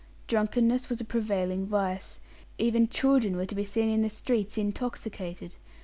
Drunkenness was a prevailing vice. Even children were to be seen in the streets intoxicated.